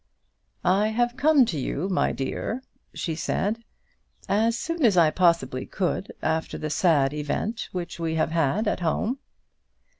"I have come to you, my dear," she said, "as soon as I possibly could after the sad event which we have had at home."